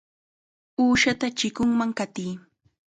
¡Uushata chikunman qatiy!